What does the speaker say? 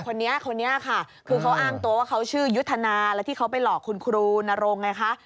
คนนี้คนนี้ค่ะคือเขาอ้างตัวว่าเขาชื่อยุทธนาแล้วที่เขาไปหลอกคุณครูนรงไงคะ